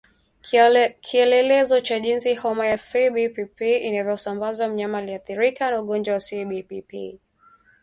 Kielelezo cha jinsi homa ya CBPP inavyosambazwa mnyama aliyeathirika na ugonjwa wa CBPP